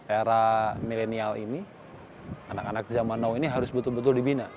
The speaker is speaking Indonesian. era milenial ini anak anak zaman now ini harus betul betul dibina